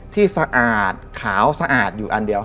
สะอาดขาวสะอาดอยู่อันเดียว